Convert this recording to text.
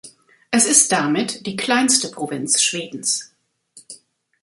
Es ist damit die kleinste Provinz Schwedens.